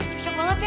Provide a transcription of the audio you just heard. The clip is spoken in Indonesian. hmm cocok banget ya